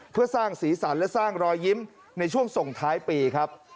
เพื่อสร้างสีสันและสร้างรอยยิ้มในช่วงส่งท้ายปีครับ